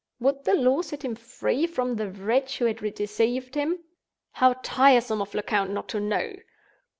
Would the law set him free from the Wretch who had deceived him? How tiresome of Lecount not to know!